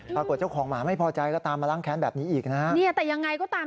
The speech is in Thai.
แล้วก็แบบชนรถอ่ะว่ามไปฝั่งฝั่งต้นมะขาม